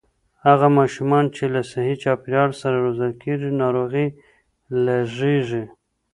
هغه ماشومان چې له صحي چاپېريال سره روزل کېږي، ناروغۍ لږېږي.